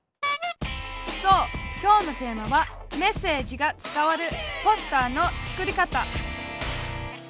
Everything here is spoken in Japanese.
そうきょうのテーマはメッセージが伝わる「ポスターの作り方」